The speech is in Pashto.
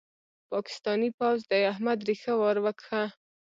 پاکستاني پوځ د احمد ريښه ور وکښه.